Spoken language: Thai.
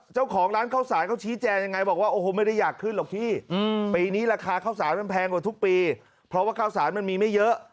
เจ้าของร้านข้าวสารเขาชี้แจงยังไงบอกว่าโอ้โหไม่ได้อยากขึ้นหรอกพี่ปีนี้ราคาข้าวสารมันแพงกว่าทุกปีเพราะว่าข้าวสารมันมีไม่เยอะ